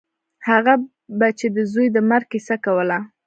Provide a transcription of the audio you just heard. هغه به چې د زوى د مرګ کيسه کوله.